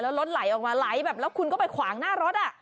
แล้วรถไหลออกมาไหลแบบแล้วคุณก็ไปขวางหน้ารถ